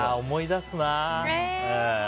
思い出すな。